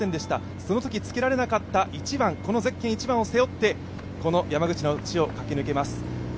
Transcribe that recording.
そのときつけられなかったゼッケン１番をつけてこの山口の地を駆け抜けます。